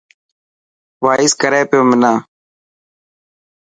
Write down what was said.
وائس ڪري پيو منا.